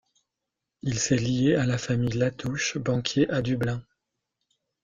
Il s'est lié à la famille La Touche, banquiers à Dublin.